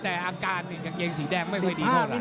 แต่อาการนี่กางเกงสีแดงไม่ดี